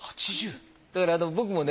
だから僕もね